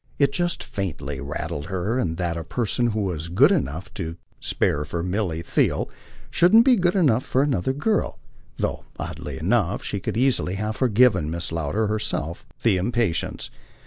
It just faintly rankled in her that a person who was good enough and to spare for Milly Theale shouldn't be good enough for another girl; though, oddly enough, she could easily have forgiven Mrs. Lowder herself the impatience.